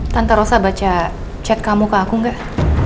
tante rosa baca chat kamu ke aku gak